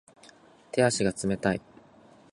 手足が冷たい